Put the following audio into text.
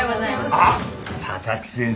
あっ佐々木先生